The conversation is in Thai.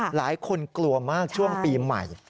หลายคนกลัวมากช่วงปีใหม่